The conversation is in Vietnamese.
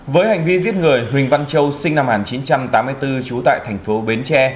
với hành vi giết người huỳnh văn châu sinh năm một nghìn chín trăm tám mươi bốn trú tại thành phố bến tre